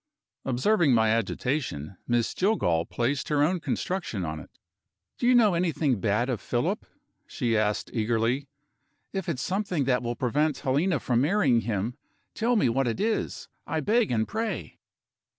Observing my agitation, Miss Jillgall placed her own construction on it. "Do you know anything bad of Philip?" she asked eagerly. "If it's something that will prevent Helena from marrying him, tell me what it is, I beg and pray."